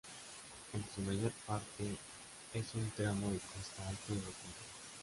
En su mayor parte es un tramo de costa alto y rocoso.